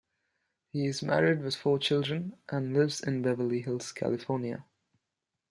He is married with four children, and lives in Beverly Hills, California.